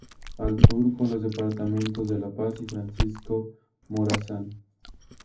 Al sur, con los departamentos de La Paz, y Francisco Morazán.